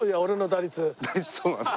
打率そうなんですよ。